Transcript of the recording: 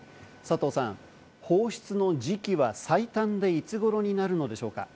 佐藤さん、放出の時期は最短でいつ頃になるのでしょうか？